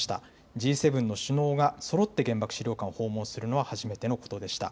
Ｇ７の首脳がそろって原爆資料館を訪問するのは初めてのことでした。